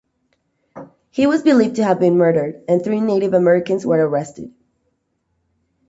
He was believed to have been murdered, and three Native Americans were arrested.